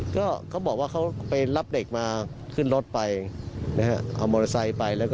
ก็เขาบอกว่าเขาไปรับเด็กมาขึ้นรถไปเอาโมนไซส์ไป